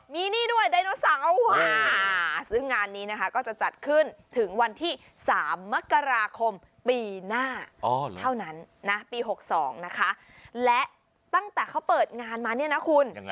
มีนี่ด้วยไดโนเสาร์ซึ่งงานนี้นะคะก็จะจัดขึ้นถึงวันที่๓มกราคมปีหน้าเท่านั้นนะปี๖๒นะคะและตั้งแต่เขาเปิดงานมาเนี่ยนะคุณ